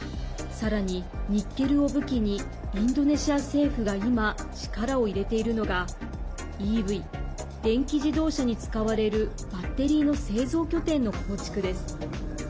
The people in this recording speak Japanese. さらに、ニッケルを武器にインドネシア政府が今、力を入れているのがＥＶ＝電気自動車に使われるバッテリーの製造拠点の構築です。